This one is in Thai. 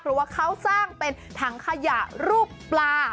เพราะว่าเขาสร้างเป็นถังขยะรูปปลา